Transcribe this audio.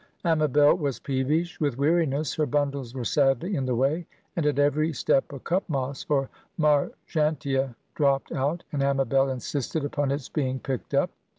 Amabel was peevish with weariness; her bundles were sadly in the way, and at every step a cup moss or marchantia dropped out, and Amabel insisted upon its being picked up.